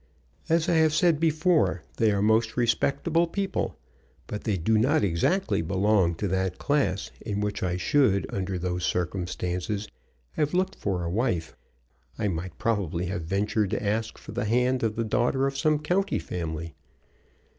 As I have said before, they are most respectable people; but they do not exactly belong to that class in which I should, under those circumstances, have looked for a wife. I might probably have ventured to ask for the hand of the daughter of some county family.